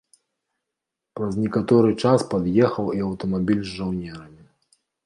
Праз некаторы час пад'ехаў і аўтамабіль з жаўнерамі.